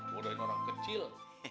bodohin orang kecil